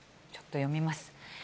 ちょっと読みます。